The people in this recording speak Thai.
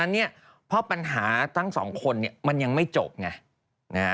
แล้วเนี่ยพอปัญหาทั้งสองคนเนี่ยมันยังไม่จบไงนะฮะ